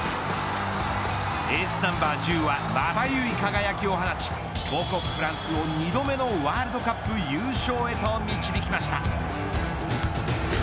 エースナンバー１０はまばゆい輝きを放ち母国フランスを２度目のワールドカップ優勝へと導きました。